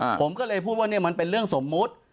ผมก็เลยพูดว่าเนี้ยมันเป็นเรื่องสมมุติ